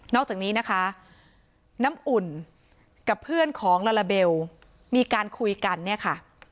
อกจากนี้นะคะน้ำอุ่นกับเพื่อนของลาลาเบลมีการคุยกันเนี่ยค่ะ